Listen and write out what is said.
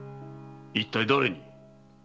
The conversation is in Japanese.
一体だれに？